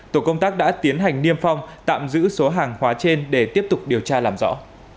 tổ công tác đã tiến hành niêm phong tạm giữ số hàng hóa trên để tiếp tục điều tra làm rõ